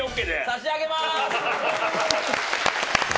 差し上げます！